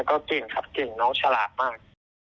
ก็เก่งครับเก่งน้องฉลาดมาก